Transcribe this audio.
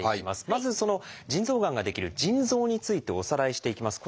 まずその腎臓がんが出来る腎臓についておさらいしていきます。